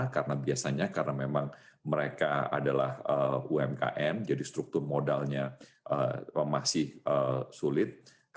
karena biasanya karena memang mereka adalah umkm jadi struktur modalnya masih sulit